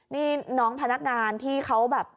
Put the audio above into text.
นี่น้องพนักงานที่เขาแบบ